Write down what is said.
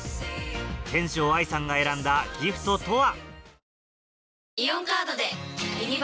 天翔愛さんが選んだギフトとは？